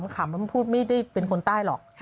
จะขำแล้วพูดไม่ได้เป็นคนไต้หรอก